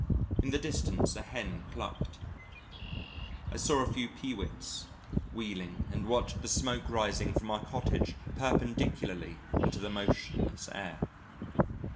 In the distance a hen clucked, I saw a few Peewits wheeling and watched the smoke rising from our cottage perpendicularly into the motionless air.